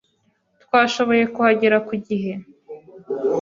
Twashoboye kuhagera ku gihe.